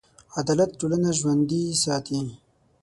عدالت ټولنه ژوندي ساتي.